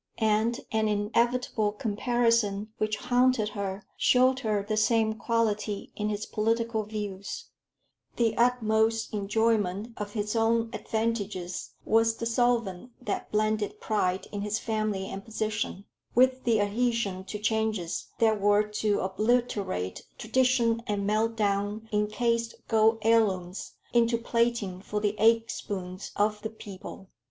And an inevitable comparison which haunted her, showed her the same quality in his political views: the utmost enjoyment of his own advantages was the solvent that blended pride in his family and position, with the adhesion to changes that were to obliterate tradition and melt down enchased gold heirlooms into plating for the egg spoons of "the people."